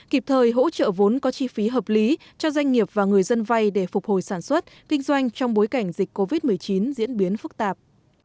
kịp thời hỗ trợ vốn có chi phí hợp lý cho doanh nghiệp và người dân vay để phục hồi sản xuất kinh doanh trong bối cảnh dịch covid một mươi chín diễn biến phức tạp